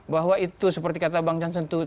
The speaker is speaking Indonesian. bahwa itu seperti kata bang jansentu